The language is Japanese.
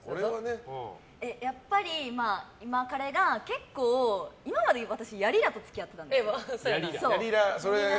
やっぱり、今彼が結構今まで私やりらと付き合ってたんですよ。